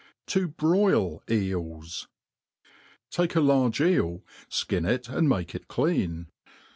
To broil Eels. TAKE a large eel, fkin it and make it clean.